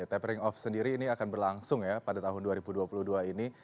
tapering off sendiri ini akan berlangsung ya pada tahun dua ribu dua puluh dua ini